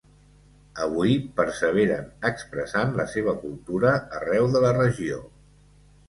Avui perseveren expressant la seva cultura arreu de la regió.